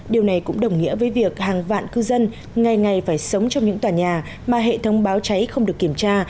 điều này cũng đồng nghĩa với việc hàng vạn cư dân ngày ngày phải sống trong những tòa nhà mà hệ thống báo cháy không được kiểm tra